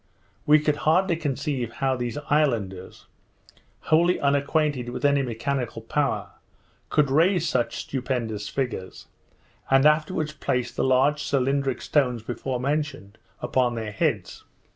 We could hardly conceive how these islanders, wholly unacquainted with any mechanical power, could raise such stupendous figures, and afterwards place the large cylindric stones before mentioned upon their heads.